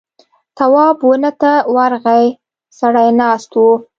تواب ونه ته ورغی سړی ناست و.